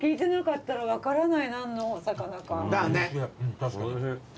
確かに。